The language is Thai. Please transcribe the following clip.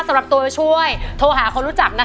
สำหรับตัวช่วยโทรหาคนรู้จักนะคะ